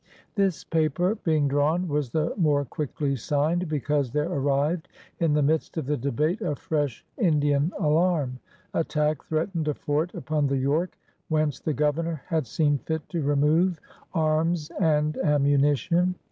This paper, being drawn, was the more quickly signed because there arrived, in the midst of the debate, a fresh Indian alarm. Attack threatened a fort upon the York — whence the Governor had seen fit to remove arms and ammunition!